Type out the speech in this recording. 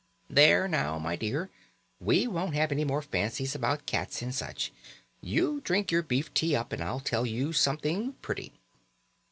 "There now, my dear, we won't have any more fancies about cats and such. You drink your beef tea up and I'll tell you something pretty."